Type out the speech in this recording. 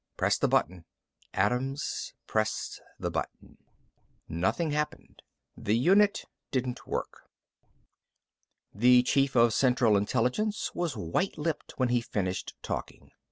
"Press the button." Adams pressed the button. Nothing happened. The unit didn't work. IX The chief of Central Intelligence was white lipped when he finished talking.